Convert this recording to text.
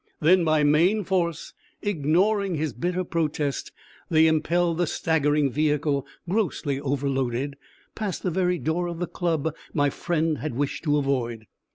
Then, by main force, ignoring his bitter protest, they impelled the staggering vehicle, grossly overloaded, past the very door of the club my friend had wished to avoid.